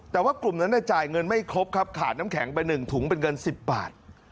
แต่ว่ากลุ่มนั้นจ่ายเงินไม่ครบครับขาดน้ำแข็งไป๑ถุงเป็นเงิน๑๐บาท